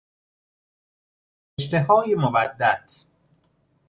رشتههای مودت